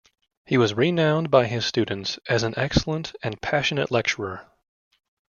He was renowned by his students as an excellent and passionate lecturer.